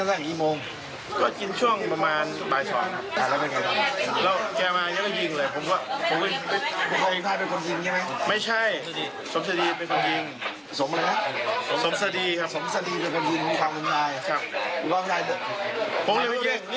กันก็กินผมได้บอกแบบเหวี่ยงกัน